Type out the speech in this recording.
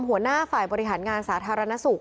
หัวหน้าฝ่ายบริหารงานสาธารณสุข